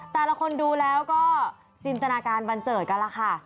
แต่ละคนดูแล้วก็จินตนาการบันเจิดกันล่ะค่ะ